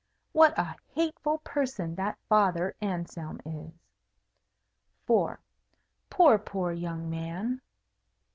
What a hateful person that Father Anselm is! 4. Poor, poor young man!